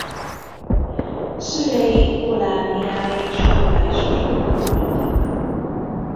Szülei Oláh Mihály és Kovács Zsuzsanna voltak.